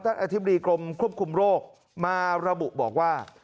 อธิบดีกรมควบคุมโรคมาระบุบอกว่า